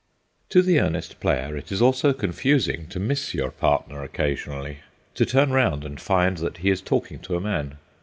To the earnest player, it is also confusing to miss your partner occasionally—to turn round and find that he is talking to a man.